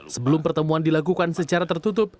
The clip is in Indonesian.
sebelum pertemuan dilakukan secara tertutup